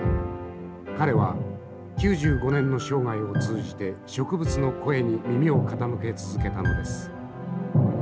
彼は９５年の生涯を通じて植物の声に耳を傾け続けたのです。